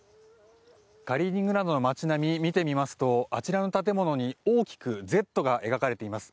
カリーニングラードの街並みを見てみますとあちらの建物に大きく「Ｚ」が描かれています。